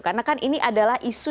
karena kan ini adalah isu